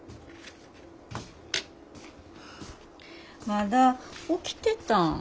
まだ起きてたん？